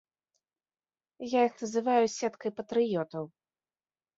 Я іх называю сеткай патрыётаў.